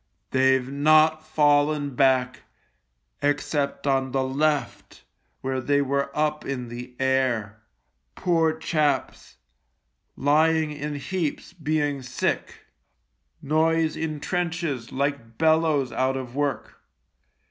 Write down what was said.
They've not fallen back except on the left, where they were up in the air. Poor chaps ! Lying in heaps being sick. Noise in trenches like bellows out of work.